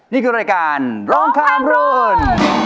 นี่คือรายการร้องข้ามรุ่น